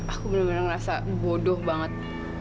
aku bener bener ngerasa bodoh banget